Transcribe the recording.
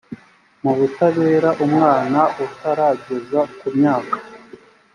mu butabera umwana utarageza ku myaka